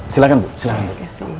silahkan bu silahkan bu